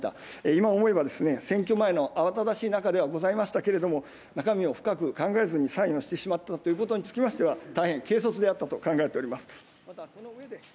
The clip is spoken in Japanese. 今思えば、選挙前の慌ただしい中ではございましたけれども、中身を深く考えずにサインをしてしまったということにつきましては、大変軽率であったと考えております。